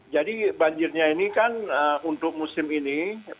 jadi banjirnya ini kan untuk musim ini